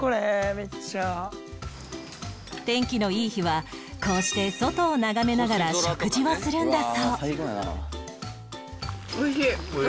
天気のいい日はこうして外を眺めながら食事をするんだそう